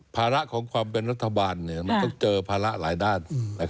ภาระของความเป็นรัฐบาลมันต้องเจอภาระหลายด้าน